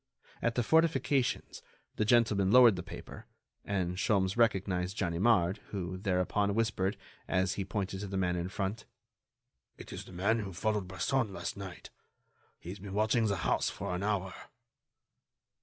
At the fortifications the gentleman lowered the paper, and Sholmes recognized Ganimard, who thereupon whispered, as he pointed to the man in front: "It is the man who followed Bresson last night. He has been watching the house for an hour."